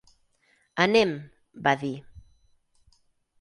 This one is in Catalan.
"Anem", va dir.